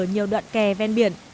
nhiều đoạn kè ven biển